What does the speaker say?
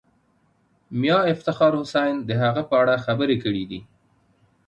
میا افتخار حسین د هغه په اړه خبرې کړې دي.